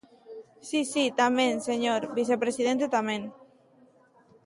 Si, si, tamén, señor vicepresidente, tamén.